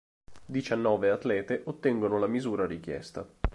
Diciannove atlete ottengono la misura richiesta.